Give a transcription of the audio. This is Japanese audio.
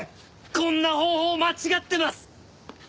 こんな方法間違ってます！